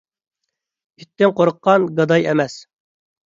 ئىتتىن قورققان گاداي ئەمەس.